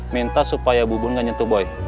minta supaya bubun gak nyentuh boy